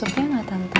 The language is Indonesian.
mau sobnya gak tante